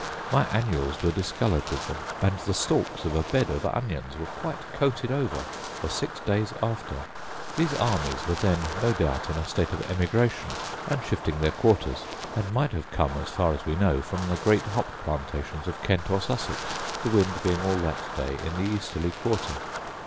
My annuals were discoloured with them, and the stalks of a bed of onions were quite coated over for six days after. These armies were then, no doubt, in a state of emigration, and shifting their quarters; and might have come, as far as we know, from the great hop plantations of Kent or Sussex, the wind being all that day in the easterly quarter.